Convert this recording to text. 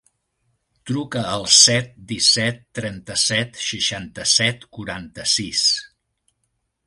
Truca al set, disset, trenta-set, seixanta-set, quaranta-sis.